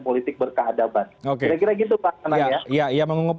politik berkehadapan kira kira gitu pak anang